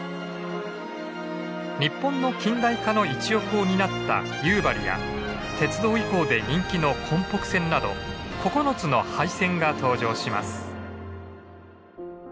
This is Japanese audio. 日本の近代化の一翼を担った夕張や鉄道遺構で人気の根北線など９つの廃線が登場します。